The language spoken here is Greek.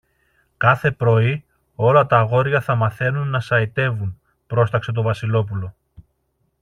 Κάθε πρωί όλα τ' αγόρια θα μαθαίνουν να σαϊτεύουν, πρόσταξε το Βασιλόπουλο.